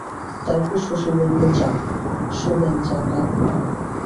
তারপর শশী বলিল, যান, শোবেন যান আপনি।